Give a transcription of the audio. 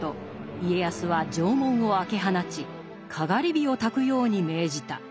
家康は城門を開け放ちかがり火をたくように命じた。